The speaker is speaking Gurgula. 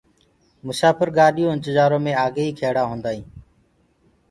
مساڦر گآڏِيو انتجآرو مي آگيئيٚ کيڙآ هونٚدآئينٚ